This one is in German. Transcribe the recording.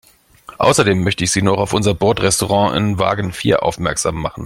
Außerdem möchte ich Sie noch auf unser Bordrestaurant in Wagen vier aufmerksam machen.